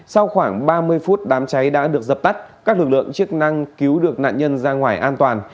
sau khoảng ba mươi phút đám cháy đã được dập tắt các lực lượng chức năng cứu được nạn nhân ra ngoài an toàn